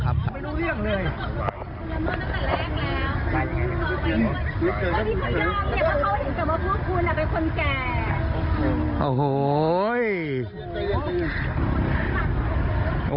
กระทั่งตำรวจก็มาด้วยนะคะ